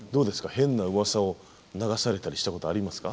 変なうわさを流されたりしたことありますか？